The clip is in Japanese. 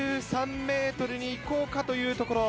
１３ｍに行こうかというところ。